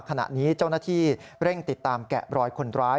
ขณะนี้เจ้าหน้าที่เร่งติดตามแกะรอยคนร้าย